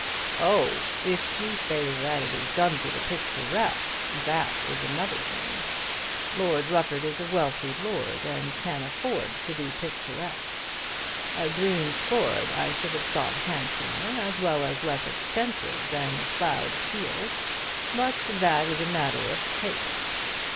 "Oh! if you say that it is done for the picturesque, that is another thing. Lord Rufford is a wealthy lord, and can afford to be picturesque. A green sward I should have thought handsomer, as well as less expensive, than a ploughed field, but that is a matter of taste.